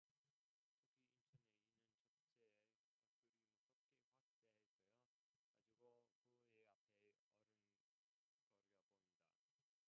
특히 인천에 있는 첫째의 얼굴이 무섭게 확대되어 가지고 그의 앞에 어른거려 보인다.